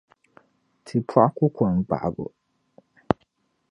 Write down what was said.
Tipɔɣu ku kɔŋ gbaɣibu.